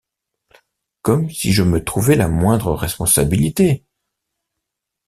Comme si je me trouvais la moindre responsabilité.